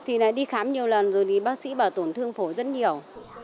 thì đi khám nhiều lần rồi thì bác sĩ bà tổn thương phổ rất nhiều